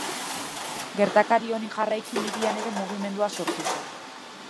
Gertakari honi jarraiki Libian ere mugimendua sortu zen.